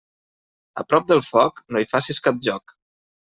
A prop del foc, no hi facis cap joc.